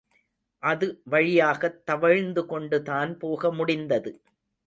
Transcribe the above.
அது வழியாகத் தவழ்ந்துகொண்டுதான் போக முடிந்தது.